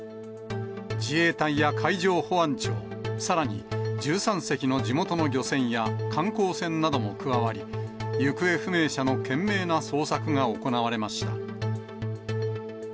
自衛隊や海上保安庁、さらに１３隻の地元の漁船や観光船なども加わり、行方不明者の懸命な捜索が行われました。